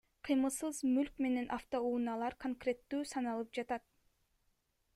Кыймылсыз мүлк менен автоунаалар конкреттүү саналып жатат.